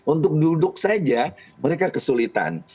untuk duduk saja mereka kesulitan